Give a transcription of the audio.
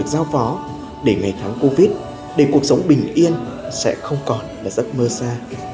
giao phó để ngày thắng covid để cuộc sống bình yên sẽ không còn là giấc mơ xa